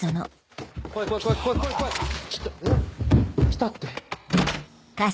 「来た」って？